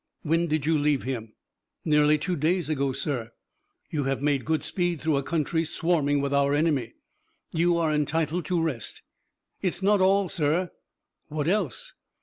"When did you leave him?" "Nearly two days ago, sir." "You have made good speed through a country swarming with our enemy. You are entitled to rest." "It's not all, sir?" "What else?"